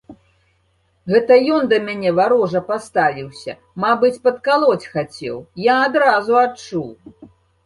Гэта ён да мяне варожа паставіўся, мабыць, падкалоць хацеў, я адразу адчуў.